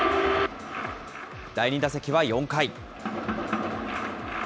第２打席は４回。